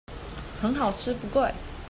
很好吃不貴